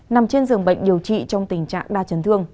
nằm trên giường bệnh điều trị trong tình trạng đa chấn thương